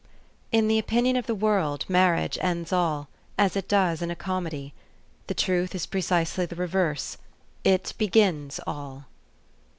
"In the opinion of the world marriage ends all, as it does in a comedy. The truth is precisely the reverse. It begins all."